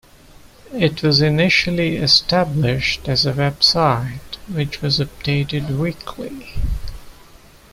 It was initially established as a website, which was updated weekly.